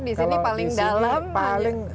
di sini paling dalam kalau di sini paling